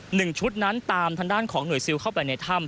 หนึ่งชุดนั้นตามทางด้านของหน่วยซิลเข้าไปในถ้ำ